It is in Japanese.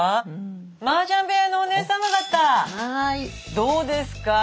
どうですか？